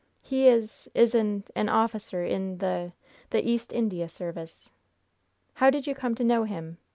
"He is is an an officer in the the East India Service." "How did you come to know him?